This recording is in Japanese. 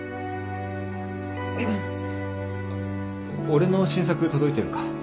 俺の新作届いてるか？